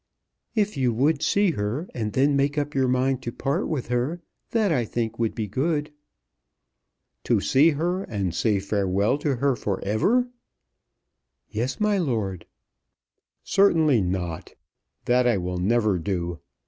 "If you would see her, and then make up your mind to part with her, that I think would be good." "To see her, and say farewell to her for ever?" "Yes, my lord." "Certainly not. That I will never do.